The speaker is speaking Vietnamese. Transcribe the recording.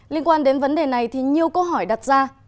liên quan đến vấn đề này thì nhiều câu hỏi đặt ra